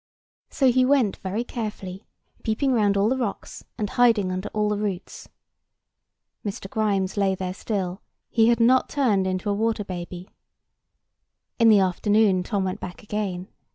So he went very carefully, peeping round all the rocks, and hiding under all the roots. Mr. Grimes lay there still; he had not turned into a water baby. In the afternoon Tom went back again.